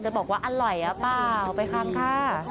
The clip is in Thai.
บอกว่าอร่อยหรือเปล่าไปฟังค่ะ